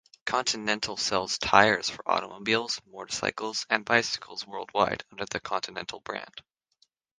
Continental sells tyres for automobiles, motorcycles, and bicycles worldwide under the Continental brand.